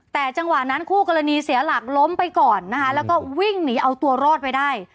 แต่จังหวะนั้นคู่กรณีเสียหลักล้มไปก่อนนะคะแล้วก็วิ่งหนีเอาตัวรอดไปได้